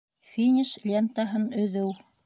Финиш лентаһын өҙөү